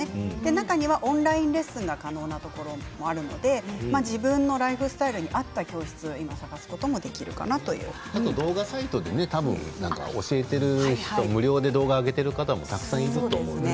中にはオンラインレッスンが可能なところもあるので自分のライフスタイルに合った教室を今、探すことがあと動画サイトで教えている無料で動画を上げている方もたくさんいると思うのでね。